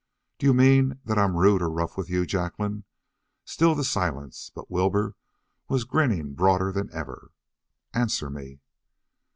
"Do you mean that I'm rude or rough with you, Jacqueline?" Still the silence, but Wilbur was grinning broader than ever. "Answer me!"